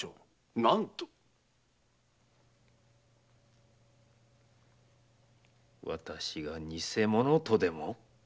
なんと⁉私がにせ者とでも？